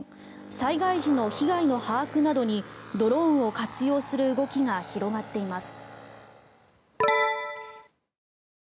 災害時の被害の把握などにドローンを活用する動きが広がっています。